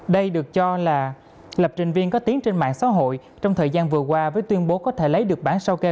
đây được cho là lập trình viên có tiếng trên mạng xã hội trong thời gian vừa qua với tuyên bố có thể lấy được bản sao kê